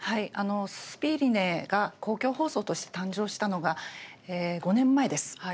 ススピーリネが公共放送局として誕生したのが５年前です。